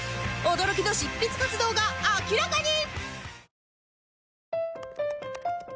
驚きの執筆活動が明らかに